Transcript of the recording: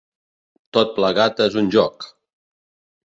Tot plegat és un joc!